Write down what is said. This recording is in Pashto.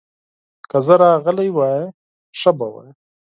که زه راغلی وای، ښه به وای.